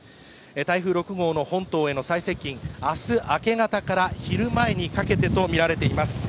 台風６号の本当への最接近、明日明け方から昼前にかけてとみられています。